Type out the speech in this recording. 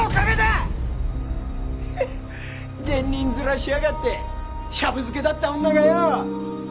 ヘッ善人面しやがってシャブ漬けだった女がよ！